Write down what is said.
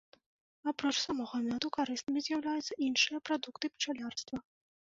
Апроч самога мёду, карыснымі з'яўляюцца іншыя прадукты пчалярства.